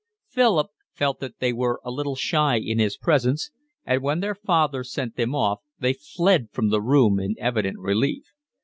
Philip felt that they were a little shy in his presence, and when their father sent them off they fled from the room in evident relief.